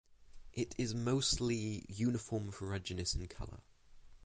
It is mostly uniform ferruginous in color.